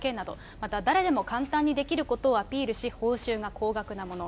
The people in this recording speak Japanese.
また、誰でも簡単にできることをアピールし、報酬が高額なもの。